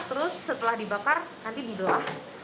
terus setelah dibakar nanti di doang